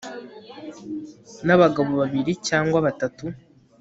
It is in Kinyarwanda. n abagabo babiri cyangwa batatu